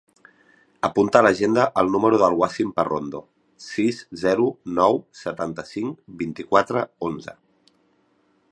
Apunta a l'agenda el número del Wassim Parrondo: sis, zero, nou, setanta-cinc, vint-i-quatre, onze.